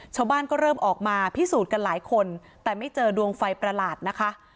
ชาวบ้านก็เริ่มออกมาพิสูจน์กันหลายคนแต่ไม่เจอดวงไฟประหลาดนะคะ